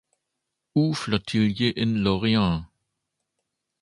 U-Flottille in Lorient.